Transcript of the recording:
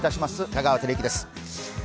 香川照之です。